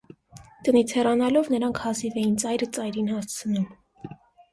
Տնից հեռանալով նրանք հազիվ էին ծայրը ծայրին հասցնում։